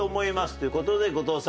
という事で後藤さん。